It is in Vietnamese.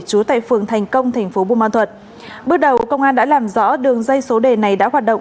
trú tại phường thành công tp bung ma thuật bước đầu công an đã làm rõ đường dây số đề này đã hoạt động